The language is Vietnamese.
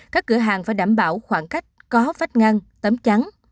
các cửa hàng phải đảm bảo khoảng cách có vách ngăn tấm chắn